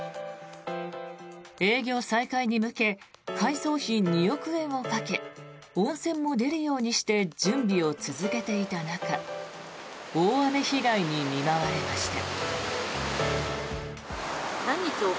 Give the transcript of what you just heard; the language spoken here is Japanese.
営業再開に向け改装費２億円をかけ温泉も出るようにして準備を続けていた中大雨被害に見舞われました。